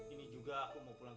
ini juga aku mau pulang